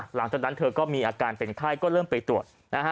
หลังจากนั้นเธอก็มีอาการเป็นไข้ก็เริ่มไปตรวจ